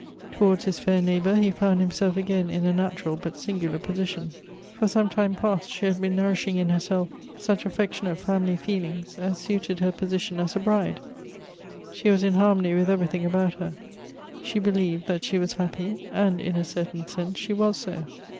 Towards his fair neighbor he found himself again in a natural but singular position. For some time past she had been nourishing in herself such affectionate family feelings as suited her ])osition as a bride; she was in harmony with everything about her; she believed that she was happy, and in a certain sense she was so.